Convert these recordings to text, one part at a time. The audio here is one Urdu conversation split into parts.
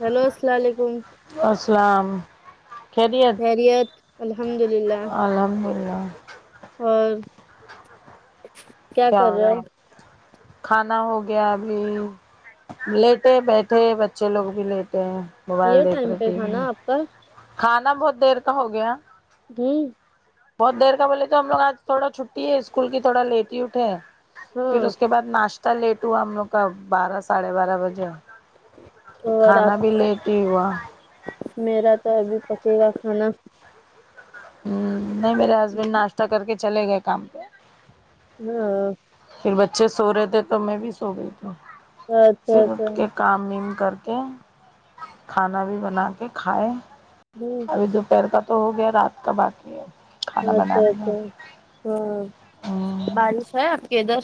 ہیلو السلام علیکم السلام خیریت خیریت الحمد للہ الحمد اللہ اور کیا ہو رہا ہے کھانا ہو گیا ابھی لیٹے بیٹھے بچے لوگ بھی لیٹے ہیں موبائل یہ دیکھ ٹائم رہے پہ ٹی وی ہے کھانا آپ کا کھانا بہت دیر کا ہو گیا ہمم بہت دیر کا بولے تو ہم لوگ آج تھوڑا چھٹی ہے اسکول کی تھوڑا لیٹ ہی اٹے ہیں پھر ہاں اس کے بعد ناشتہ لیٹ ہوا ہم لوگ کا بارہ ساڑھے بارہ بجے اور کھانا آپ بھی لیٹ ہی ہوا میرا تو ابھی پکے گا کھانا ہ نہیں میرے ہسبینڈ ناشتہ کر کے چلے گئے کام پہ ہاں پھر بچے سو رہے تھے تو میں بھی سو گئی تھی اچھا پھر اٹھ اچھا کے کام ویم کر کے کھانا بھی بنا کے کھائے ہمم ابھی دوپہر کا تو ہو گیا رات کا باقی ہے کھانا اچھا بنانے کا اچھا ہاں ہوں بارش ہے آپ کے ادھر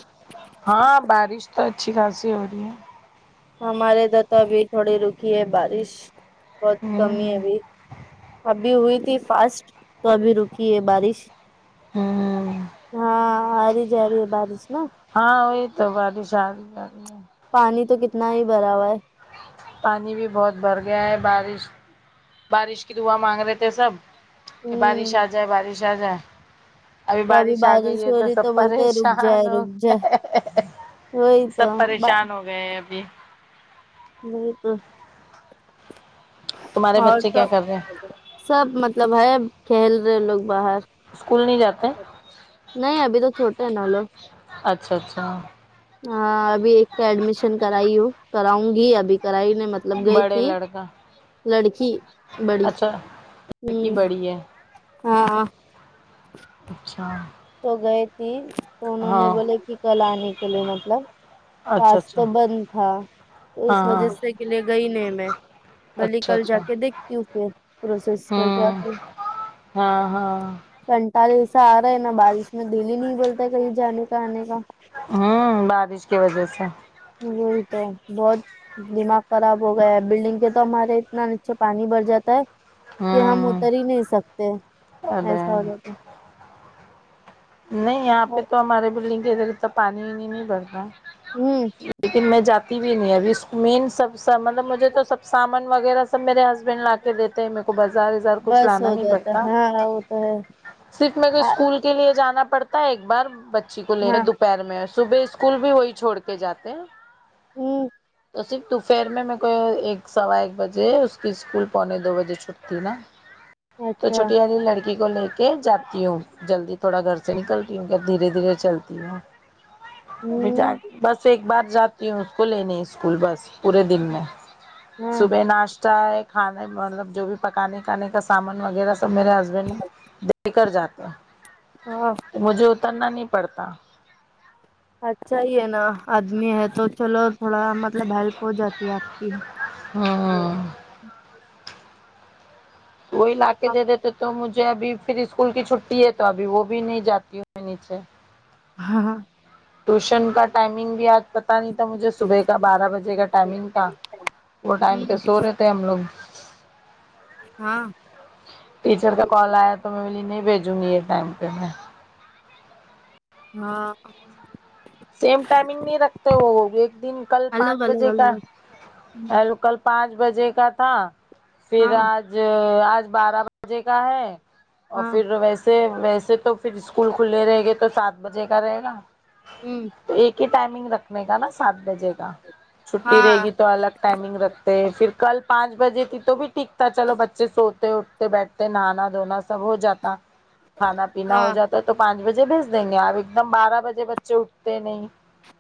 ہاں بارش تو اچھی خاصی ہو رہی ہے ہمارے ادھر تو ابھی تھوڑی رکی ہے بارش بہت کمی ہے ہوں ابھی ابھی ہوئی تھی فاسٹ تو ابھی رکی ہے بارش ہوں ہاں اری جا رہی ہے بارش نا ہاں وہی تو باریش اری جاری ہے پانی تو کتنا ہی بھرا ہوا ہے پانی بھی بہت بھر گیا ہے بارش بارش کی دعا مانگ رہے تھے سب کہ ہوں بارش آ جائے بارش آ جائے ابھی تو بارش آ گئی ہے ہو تو رہی سب بولتے ہیں رک جائے پریشان ہو رک جائے ہوگے وہی تو با میں بھی نہیں تو تمہارے اور بچے کیا سب کر رہے ہیں سب مطلب ہے کھیل رہے لوگ باہر اسکول نہیں جاتے نہیں ابھی تو چھوٹے ہے نا لوگ اچھا اچھا ہاں ابھی ایک کا ایڈمیشن کرائی ہو کراؤں گی ابھی کرائی مطلب گئی بڑے تھی لڑکا لڑکی بڑی اچھا ہ لڑکی بڑی ہے ہاں اچھا تو گئے تھی تو انہوں نے ہاں بولے کہ کل آنے کے لیے مطلب اچھا آج اچھا تو بند تھا تو اس ہاں وجہ ہاں سے اسکے لیے گئی نہیں میں بھلے اچھا کل اچھا جا کے دیکھتی ہوں پھر پروسیس کر کے آتی ہوں ہاں ہاں کنٹال ایسا آ رہا ہے نا بارش میں دل ہی نہیں بولتا ہے کہیں جانے کا آنے کا ہاں بارش کی وجہ سے وہی تو بہت دماغ خراب ہو گیا ہے بلڈنگ کے تو ہمارے اتنا نیچے پانی بھر جاتا ہے کہ ہم ہوں اتر ہی نہیں سکتے ارے ایسا ہو جاتا نہیں یہاں پہ تو ہمارے بلڈنگ کے ادھر اتنا پانی نہیں بھرتا ہوں لیکن میں جاتی بھی نہیں ابھی اس مین سب مطلب مجھے تو سب سامان وغیرہ سب میرے ہسبینڈ لا کے دیتے ہیں میرے کو بازار وزار کچھ بس لانا ہو نہیں جاتا پڑتا ہے ہاں وہ تو ہے صرف میرے کو اسکول کے لیے جانا پڑتا ہے ایک بار بچی کو لینے ہاں دوپہر میں صبح اسکول بھی وہی چھوڑ تے جاتے ہیں ہوں تو صرف دوپہر میں میرے کو ایک سوا ایک بجے اس کی اسکول پونے دو بجے چھٹتی نا تو اچھا چھوٹی والی لڑکی کو لے کے جاتی ہوں جلدی تھوڑا گھر سے نکلتی ہوں کہ دھیرے دھیرے چلتی ہوں ہ پھر بس ایک بار جاتی وں اس کو لینے اسکول بس پورے دن میں ہاں صبح ناشتہ ا کھانے مطلب جو بھی پکانے کھانے کا سامان وغیرہ تو میرے ہسبینڈ دیےکرجاتے ہیں ہاں مجھے اترنا نہیں پڑتا اچھا ہی ہے نا آدمی ہے تو چلو تھوڑا مطلب ہیلپ ہو جاتی ہے آپ کی ہاں وہی لا کے ہاں دے دیتے تو مجھے ابھی پھر اسکول کی چھٹی ہے تو ابھی وہ بھی نہیں جاتی ہوں میں نیچے ہاں ٹیوشن کا ٹائمنگ بھی آج پتہ نہیں تھا مجھے صبح کا بارہ بجے کا ٹائمنگ تھا وہ ٹائم پہ سو رہے تھے ہم لوگ ہاں ٹیچر کا کال آیا تو میں بلیے نہیں بھیجوں گی یہ ٹائم پہ میں ہاں سیم ٹائمنگ نہیں رکھتے وہ ایک دن کل پانچ الگ الگ بجے الگ کا الو کل پانچ بجے کا تھا پھر ہاں آج آج بارہ بجے کا ہے اور ہاں پھر ویسے سے ویسے تو پھر اسکول کھلے رہے گے تو سات بجے کا رہے گا ہوں تو ایک ہی ٹائمنگ رکھنے کا نا سات بجے کا چھٹی رہے ہاں گی تو الگ ٹائمنگ رکھتے ہیں پھر کل پانچ بجے تھی تو بھی ٹھیک تھا چلو بچے سوتے ہو تے بیٹھتے نہانا دھونا سب ہو جاتا کھانا پینا ہو ہاں جاتا ہے تو پانچ بجے بھیج دیں گے آپ ایک دم بارہ بجے بچے اٹھتے نہیں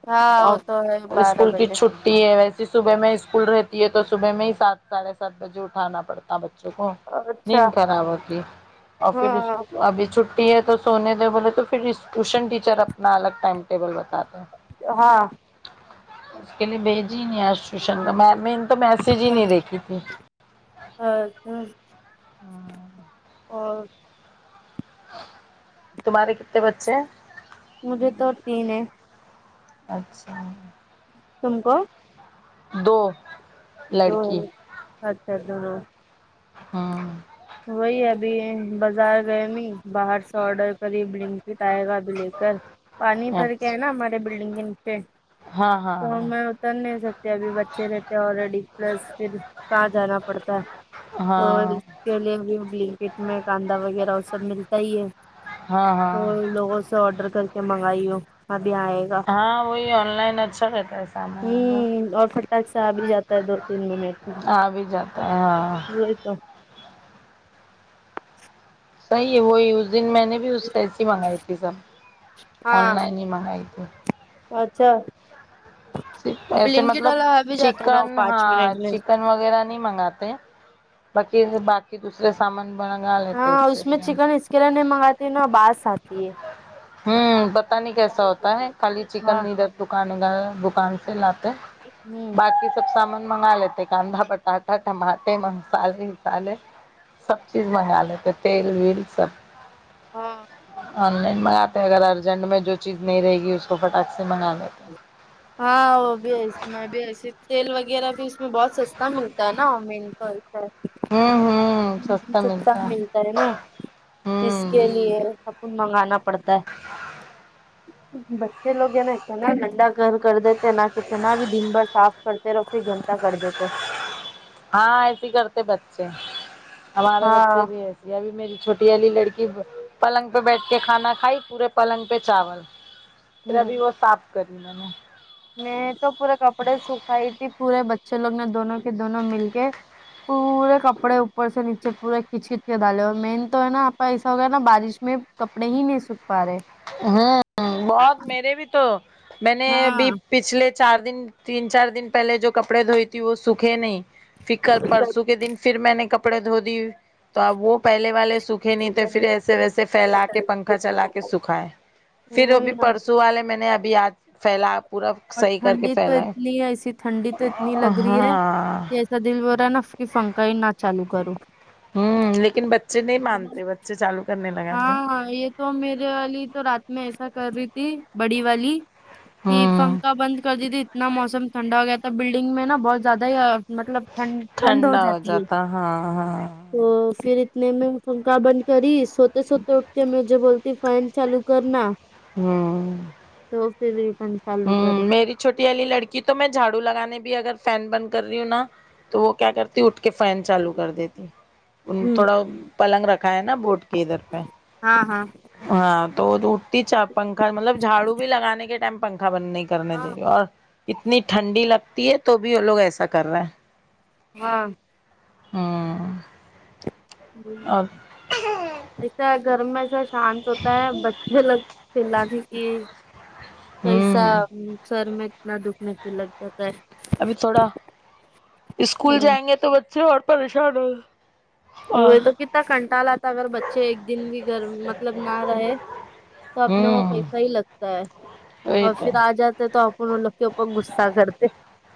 ہاں وہ تو ہے بارہ بجے تی ہے ویسی صبح میں اسکول رہتی ہے تو صبح میں ہی سات ساڑھے سات بجے اٹھانا پڑتا ہے بچوں کو اچھا نیند خراب ہوتی اور پھر ہاں ابھی چھٹ تو سونے دیو بولے تو پھر ٹیوشن ٹیچر اپنا الگ ٹائم ٹیبل بتاتے ہیں ہاں اس کے لیے بھیج ہی نہیں آ سوشنک میں نے تو میسج ہی نہیں دیکھی تھی اور تو ہ اور تمہارے کتنے بچے ہیں مجھے تو تین ہے اچھا تم کو دو دو لڑکی اچھا اچھا ہاں ہاں وہی ابھی بازار گئے نئی باہر سے آڈر کری بلنکٹ آئے گا ابھی لے کر پانی بھر کے ہے اچھا نا ہمارے بلڈنگ کے نیچے ہاں تو ہاں میں کر نہیں سکتے ابھی بچے رہتے ہیں آلریڈی پلس پھر کہاں جانا پڑتا ہے ہاں ہاں اور اس کے لیے بھی بلنکٹ میں کاندا وغیرہ وہ سب ملتا ہی ہے ہاں تو ہاں لوگوں سے آڈر کر کے منگائی ہو ابھی آئے ہاں وہی آن لائن اچھا رہتا ہے سامان اور پٹخ سے آ بھی جاتا دو تین منٹ مے آ بھی جاتا ہے ہاں وہی تو صحیح وہی اس دن میں نے بھی اس کیسی منگائی تھی سر آن ہاں لائن ہی منگائی تھی اچھا ایسے بلنکٹ مطلب والا آ بھی جاتا ہے نا چکن وہ پانچ ہاں منٹ میں چکن وغیرہ نہیں منگاتے باقی کہ دوسرے سامان بنگا لیتے ہاں اس سے میں چکن اس کے لیے نہیں منگاتی نا باس آتی ہے ہوں پتا نہیں کیسا ہوتا ہے خالی چکن ہاں نیڈر دکان دکان سے لاتے ہوں باقی سب سامان منگا لیتے کاندا پٹاٹا ٹماٹے مسالے سالے سب چیز منگا لیتے تیل ویل سب ہاں آن لائن منگاتے اگر ارجنٹ میں جو چیز نہیں رہے گی اس کو پٹاخ سے منگا لیتے ہیں ہاں وہ بھی ایسی میں بھی ایسی تیل وغیرہ بھی اس بہت سستا ملتا ہے نا امین تو ایسا ہے سستا ملتا ہے نا اس ہوں کے لیے منگانا پڑتا ہے بچے لوگ ہیں نا اتنا گندا گھر کر دیتے نہ کتنا بھی دن بھر صاف کر پھر سے گندا کر دیتے ہاں ایسیے کرتے بچے ہمارے بچے ہاں بھی ایسے یا بھی میری چھوٹی والی لڑکی پلنگ پہ بیٹھ کے کھانا کھائی پورے پلنگ پہ چاول پھر ابھی وہ صاف کرتی ہے میں تو پورے کپڑے سکھائی تھی پورے بچے لوگ نے دونوں کے دونوں مل کے پورے کپڑے اوپر سے نیچے پورے کھیچ کھیچ کے دالے اور مین تو ہے نا آپا ایسا ہو گیا نا بارش میں کپڑے ہی نہیں سکھ پا رہے ہ بہت میرے بھی تو میں نے ابھی ہاں پچھلے چار دن تین چار دن پہلے جو کپڑے دھوئی تھی وہ سوکھے نہیں پھر کل پرسوں کے دن پھر میں نے کپڑے دھو دیے تو اب وہ پہلے والے سکھے نہیں تھے پھر ایسے ویسے فھیلا کے پنکھا چلا کے سکھائے پھر وہ وہی بھی نا پرسوں والے میں نے ابھی آج پھیلا پورا اور صحیح کر کے ٹھنڈی تو پھیلا ہے اتنی ایسی ٹھنڈی تو اتنی لگ رہی ہے ہاں ایسا دل بول رہا ہے نہ پھنکا ہی نہ چالو کرو ہوں لیکن بچے نہیں مانتے بچے چالو کرنے لگاتے ہاں یہ تو میرے والی تو رات میں ایسا کر رہی تھی بڑی والی کہ فن ہوں اور دیدی اتنا موسم ٹھنڈا ہوگیا تھا بلڈنگ میں نا بہت زیادہ یہ مطلب ٹھنڈ ٹھنڈ ہو ٹھنڈا جاتی ہے جاتا ہاں ہاں تو پھر اتنے میں پنکھا بند کری سوتے سوتے اٹھتے میں مجھے بولتی فین چالو کرنا ہوں تو پھر ریٹن چالو کری ہوں میری چھوٹی والی لڑکی تو میں جھاڑو لگانے بھی اگر فین بند کر رہی ہوں نا تو وہ کیا کرتے تھی اٹھ کے فین چالو کر دیتی ان ہوں تھوڑا پلنگ رکھا ہے نا بورڈ کے ادھر پہ ہاں ہاں ہاں تو وہ اٹتی چ پنکھا مطلب جھاڑو بھی لگانے کے ٹائم پنکھا بند نئی کرنے دے رہی اور اتنی ٹھنڈی لگتی ہے تو بھی وہ لوگ ایسا کر رہے ہیں ہاں ہوں ہ اور ایسا گھر میں ایسا شانت ہوتا ہے بچے الگ چلانے کی کیسا ہوں سر میں اتنا دکھنے پہ لگ جاتا ہے ابھی تھوڑا اسکول ہے جائیں گے تو بچے اور پریشان ہو گ وہ تو کتنا کنٹال آتا اگر بچے ایک دن بھی گھر مطلب نہ رہے تو اپنے وہاں ہوں پیسہ ہی لگتا ہے وہی اور تو پھر آ جات تو اپن وہ لوگ کے اوپر غصہ کرتے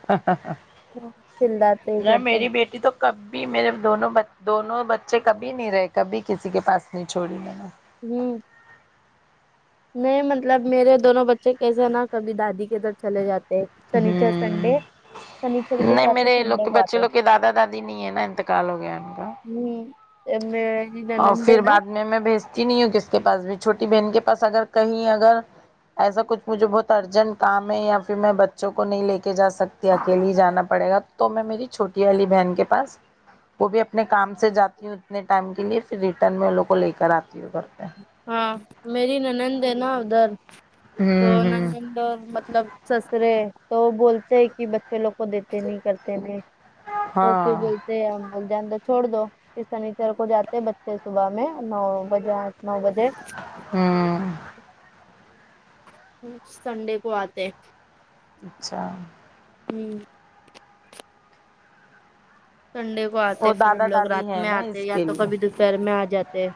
ہا ہا ہا۔۔۔۔ چلاتے ہی نہ کرتے میری بیٹی تو کبھی میرے دونوں دونوں بچے کبھی نہیں رہے کبھی کسی کے پاس نہیں چھوڑی میں ہوں نہیں مطلب میرے دونوں بچے کیسے نا کبھی دادی کےگھر چلے جاتے ہیں ہوں کو نہیں جاتے میرے لوگ سنڈے کے کو بچے آتے لوگ کے دادا دادی نہیں ہے نا انتقال ہو گیا ان کا ہوں اور پھر بعد میں میں بھیجتی نہیں ہوں کس کے پاس بھی چھوٹی بہن کے پاس اگر کہیں اگر ایسا کچھ مجھے بہت ارجنٹ کام ہے یا پھر میں بچوں کو نہیں لے کے جا سکتی اکیلی جانا پڑے گا تو میں میری چھوٹی والی بہن کے پاس وہ بھی اپنے کام سے جاتی ہوں اتنے ٹائم کے لیے پھر ریٹرن میں ان لوگ کو لے کر آتی ہوں گھر پہ ہاں میری نند ہے نا ادھر تو ہوں ہوں نند اور مطلب سسرے تو وہ بولتے ہیں کہ بچے لوگ کو دیتے نہیں کرتے نہیں تو پھر ہاں بول ہم لوگ جان چھوڑ دو اس سنیچر کو جاتے بچے صبح میں نو بجے آ نو بجے ہوں سنڈے کو آتے ہیں اچھا ہوں سنڈے وہ آتے پھر ان دادا لوگ دادی رات ہے میں نا آتے اس یا کے تو لیے کبھی دوپہر میں آ جاتے ہے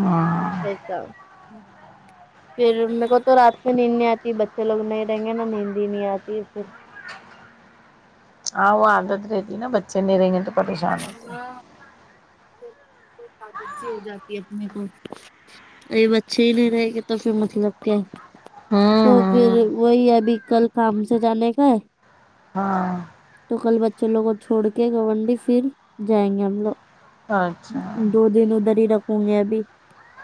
ہاں چ پھر میر کو تو رات میں نیند نہیں آتی بچے لوگ نہیں رہیں گے نا نیندی ہی نہیں آتی پھر ہاں وہ عادت رہتی ہے نا بچے نہیں رہیں گے تو پریشان ہو ہاں ایک ایک عادت سی ہو جاتی اپنے کو اب اچھے ہی نہیں رہے گے تو پھر مطلب کیا ہے ہوں تو ہوں پھر وہی ابھی کل کام سے جانے کا ہے ہاں تو کل بچے لوگ کو چھوڑ کے گنڈی پھر جائیں گے ہم لوگ اچھا دو دن ادھر ہی رکھوں گی ابھی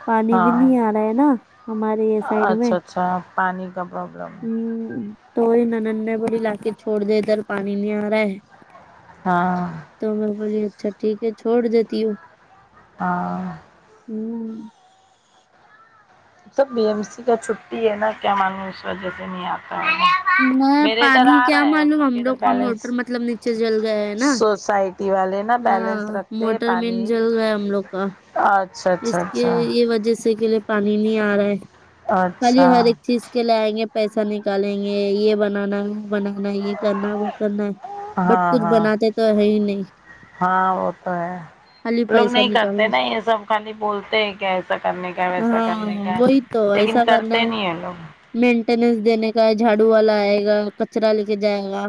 پانی بھی ہاں نہیں آ رہا ہے نا ہمارے یہ سائڈ میں اچھا اچھا پانی کا پرابلم ہے تو یہ ننند نے بولی لا کے چھوڑ دے ادھر پانی نہیں آ رہا ہے ہاں تو میں بولی اچھا ٹھیک ہے چھوڑ دیتی ہوں ہاں ہوں سب بی ایم سی کا چھٹی ہے نا کیا معلوم اس وجہ سے نہیں آتا ہے میں میرے ادھر پانی آ کیا رہا معلوم ہم کے لوگ ادھر کا موٹر بیلنس مطلب نیچے جل گیا ہے نا سوسائٹی والے نا ہاں بیلنس رکھتے ہیں موٹر مین پانی جل گیا ہم لوگ کا اچھا اس اچھا کے اچھا یہ وجہ سے کے لیے پانی نہیں آ رہا ہے خالی اچھا ہر ایک چیز کے لے آئیں گے پیسہ نکالیں گے یہ بنانا وہ بنانا یہ کرنا ہے وہ کرنا ہے بٹ ہاں کچھ ہاں بناتے تو ہے ہی نہیں ہاں وہ تو ہے خالی لوگ پیسہ نہیں کرتے نکالنا نا یہ سب خالی بولتے ہیں کہسے ایسا کرنے کا ویسا کرنے ہاں کا وہی تو لیکن ایسا کرنا کرتے ہے نہیں ہیں لوگ مینٹیننس دینے کا ہے جھاڑو والا آئے گا کچرا لے کے جائے گا